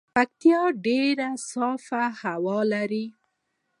پکتيا ډیره صافه هوا لري